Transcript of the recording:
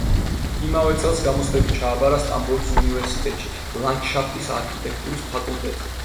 იმავე წელს გამოცდები ჩააბარა სტამბოლის უნივერსიტეტში, ლანდშაფტის არქიტექტურის ფაკულტეტზე.